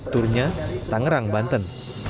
turnya tangerang banten